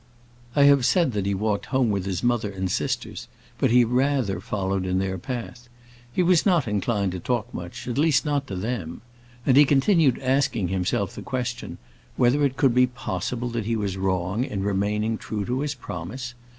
I have said that he walked home with his mother and his sisters; but he rather followed in their path. He was not inclined to talk much, at least, not to them; and he continued asking himself the question whether it could be possible that he was wrong in remaining true to his promise?